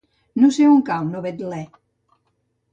No sé on cau Novetlè.